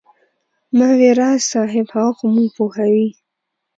ما وې راز صاحب هغه خو موږ پوهوي.